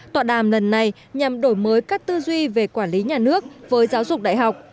tọa đàm lần này nhằm đổi mới các tư duy về quản lý nhà nước với giáo dục đại học